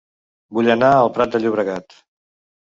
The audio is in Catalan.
Vull anar a El Prat de Llobregat